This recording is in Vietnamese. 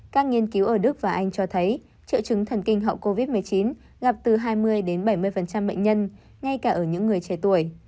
các nghiên cứu ở đức và anh cho thấy triệu chứng thần kinh hậu covid một mươi chín gặp từ hai mươi đến bảy mươi bệnh nhân ngay cả ở những người trẻ tuổi